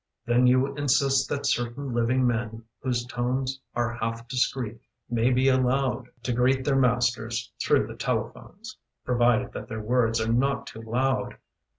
Then you insist that certain living men Whose tones are half discreet may be allowed To greet their masters through the telephones, Provided that their words are not too loud.